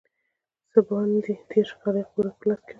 څه باندې دېرش کاله یې قدرت په لاس کې وو.